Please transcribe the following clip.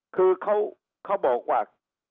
คือเขาบอกว่า